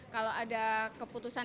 kalau ada keputusan